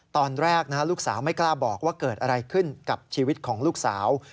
ตอนแรกลูกสาวไม่กล้าบอกว่าเกิดอะไรขึ้นกับชีวิตของลูกสาว